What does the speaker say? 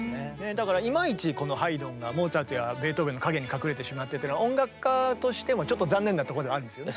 だからいまいちこのハイドンがモーツァルトやベートーベンの陰に隠れてしまってというのは音楽家としてはちょっと残念なとこではあるんですよね。